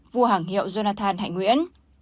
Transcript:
bảng hiệu jonathan hạnh nguyễn